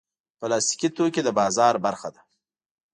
پلاستيکي توکي د بازار برخه ده.